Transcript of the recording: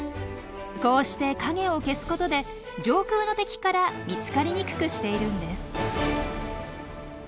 こうして影を消すことで上空の敵から見つかりにくくしているんです。